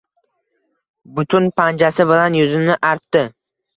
butun panjasi bilan yuzini artdi.